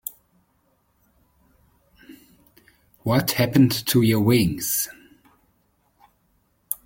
What happened to your wings?